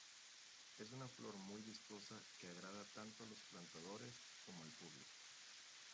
Es una flor muy vistosa que agrada tanto a los plantadores como al público.